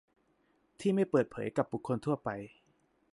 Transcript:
ที่ไม่เปิดเผยกับบุคคลทั่วไป